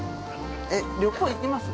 ◆旅行いきます？